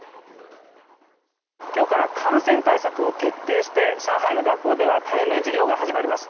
今日から感染対策を徹底して上海の学校では対面授業が始まります。